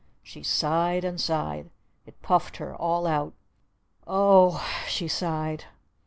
She sighed and sighed. It puffed her all out. "O h," she sighed.